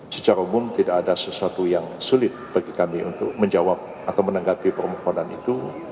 secara umum tidak ada sesuatu yang sulit bagi kami untuk menjawab atau menanggapi permohonan itu